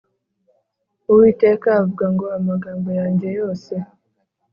Uwiteka avuga ngo Amagambo yanjye yose